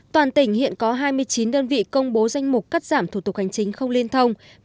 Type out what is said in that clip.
toàn tỉnh hiện có hai mươi chín đơn vị công bố danh mục cắt giảm thủ tục hành chính không liên thông